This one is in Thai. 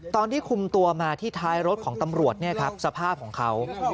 ตอนที่คุมตัวมาที่ท้ายรถของตำรวจสภาพของเขา